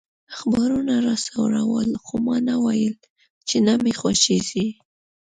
اخبارونه راسره ول، خو ما نه ویل چي نه مي خوښیږي.